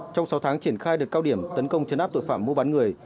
trong sáu tháng triển khai được cao điểm tấn công chấn áp tội phạm mua bán người